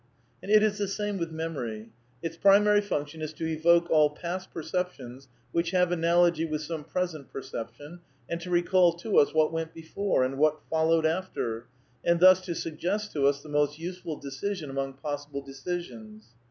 And it is the same with memory. Its primary func tion is ^^ to evoke all past perceptions which have analogy with some present perception, and to recall to us what went before, and what followed after, and thus to suggest to us the most useful decision among possible decisions."